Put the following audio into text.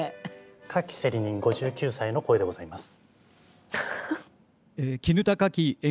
花きセリ人５９歳の声でございます。